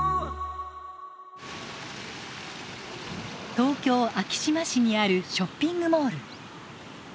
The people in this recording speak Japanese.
東京・昭島市にあるショッピングモール。